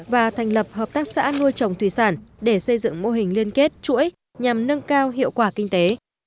và thành lập hợp tác xã nuôi trồng thủy sản để xây dựng mô hình liên kết chuỗi nhằm nâng cao hiệu quả kinh tế